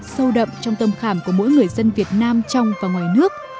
sâu đậm trong tâm khảm của mỗi người dân việt nam trong và ngoài nước